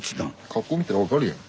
格好見たら分かるやん。